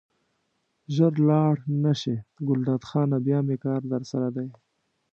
ژر لاړ نه شې ګلداد خانه بیا مې کار درسره دی.